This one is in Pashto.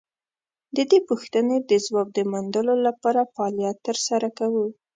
د دې پوښتنې د ځواب د موندلو لپاره فعالیت تر سره کوو.